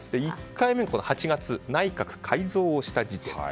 １回目が、８月内閣改造をした時期。